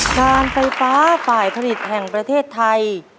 การไฟฟ้าฝ่ายผลิตแห่งประเทศไทย